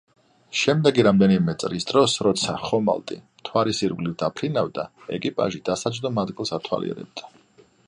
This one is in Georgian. შემდეგი რამდენიმე წრის დროს, როცა ხომალდი მთვარის ირგვლივ დაფრინავდა, ეკიპაჟი დასაჯდომ ადგილს ათვალიერებდა.